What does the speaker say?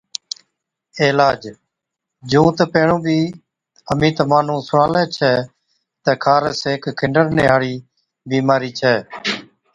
علاج، جُون تہ پيهڻُون بِي اَمهِين تمهان نُون سُڻالَي ڇَي تہ خارس هيڪ کنڊرڻي هاڙِي بِيمارِي ڇَي